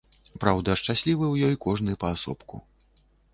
Праўда, шчаслівы ў ёй кожны паасобку.